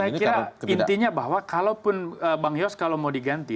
saya kira intinya bahwa kalaupun bang yos kalau mau diganti